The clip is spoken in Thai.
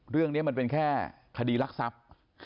เรื่องนี้มันเป็นแค่คดีรักทรัพย์